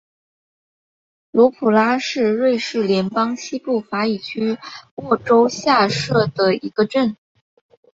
罗普拉是瑞士联邦西部法语区的沃州下设的一个镇。